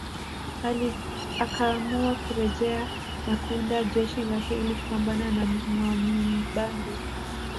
Akaamua kurejea na kuunda jeshi lake ili kupambana na Mwamubambe